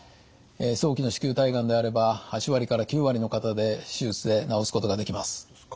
早期の子宮体がんであれば８割から９割の方で手術で治すことができます。